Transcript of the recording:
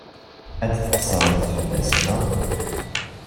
Ad tqeṣṣrem fell-as, naɣ?